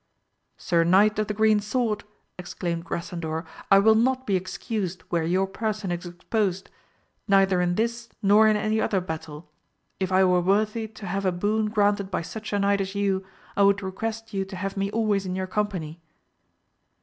Sir Knight of the Green Sword, exclaimed Grasandor, I will not be ex cused where your person is exposed, neither in this nor in any other battle ; if I were worthy to have a boon granted by such a knight as you I would request you to have me always in your company.